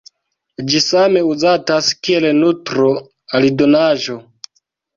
Ĝi same uzatas kiel nutro-aldonaĵo.